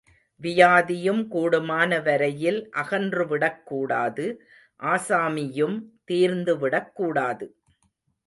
வியாதியும் கூடுமான வரையில் அகன்று விடக் கூடாது, ஆசாமியும் தீர்ந்து விடக் கூடாது.